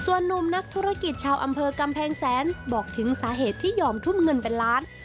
ส่วนนุ่มนักธุรกิจชาวอำเภอกำแพงแสนบอกถึงสาเหตุที่ยอมทุ่มเงินเป็นล้าน